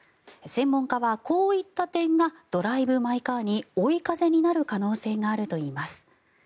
専門家はこういった点が「ドライブ・マイ・カー」に追い風になる可能性があるといいます。